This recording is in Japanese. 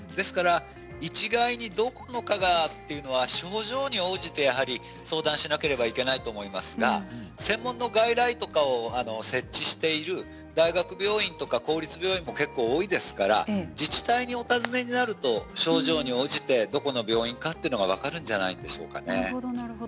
一概にどの科に行くのかは症状によって相談しなければいけないと思いますが専門の外来とか設置している大学病院とか公立病院も多いですから自治体にお尋ねになると症状に応じてどの病院か分かるんじゃないでしょうかね。